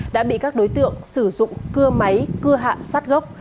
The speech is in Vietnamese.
đã bị các đối tượng sử dụng cưa máy cưa hạ sát gốc